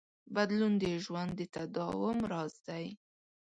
بدلون د ژوند د تداوم راز دی.